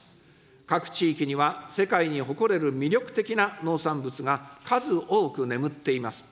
各地域には世界に誇れる魅力的な農産物が数多く眠っています。